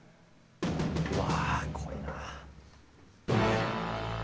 うわ怖いな。